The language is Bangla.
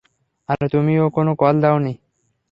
আর তুমিও কোন কল দাওনি।